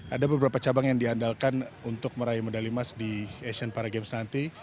ada beberapa cabang yang diandalkan untuk meraih emas di asian para games nanti